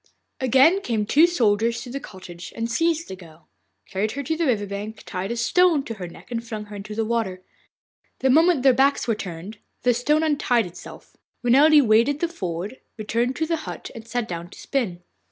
Again came the two soldiers to the cottage and seized the girl, carried her to the river bank, tied a stone to her neck and flung her into the water. The moment their backs were turned the stone untied itself. Renelde waded the ford, returned to the hut, and sat down to spin.